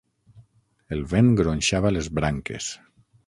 El vent gronxava les branques.